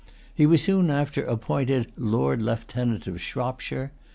He was soon after appointed Lord Lieutenant of Shropshire.